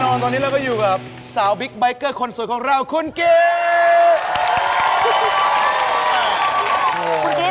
ตอนนี้เราก็อยู่กับสาวบิ๊กไบท์เกอร์คนสวยของเราคุณกิฟ